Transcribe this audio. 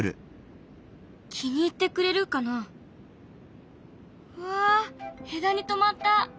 気に入ってくれるかな？わ枝にとまった。